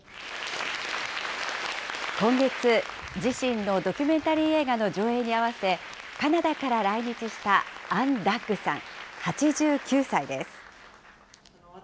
今月、自身のドキュメンタリー映画の上映に合わせ、カナダから来日したアン・ダッグさん８９歳です。